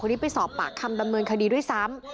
นี้ไปสอบปากคำดำเนินคดีด้วยซ้ำ